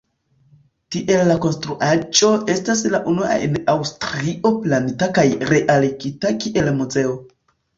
Tiel la konstruaĵo estas la una en Aŭstrio planita kaj realigita kiel muzeo.